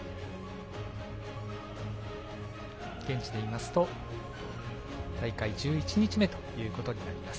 現地でいいますと大会１１日目ということになります。